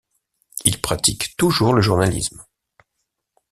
Il pratique toujours le journalisme.